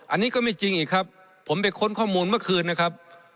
อันนี้ก็ไม่จริงอีกครับผมไปค้นข้อมูลเมื่อคืนนะครับ